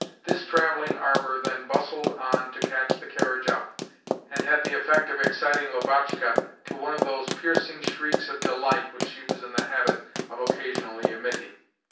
This travelling arbour then bustled on to catch the carriage up, and had the effect of exciting Lubotshka to one of those piercing shrieks of delight which she was in the habit of occasionally emitting.